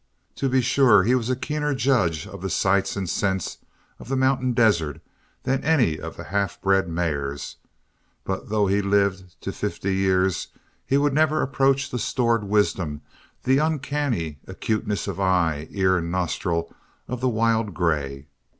To be sure, he was a keener judge of the sights and scents of the mountain desert than any of the half bred mares but though he lived to fifty years he would never approach the stored wisdom, the uncanny acuteness of eye, ear, and nostril of the wild grey.